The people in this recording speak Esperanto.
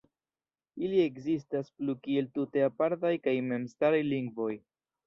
Ili ekzistas plu kiel tute apartaj kaj memstaraj lingvoj.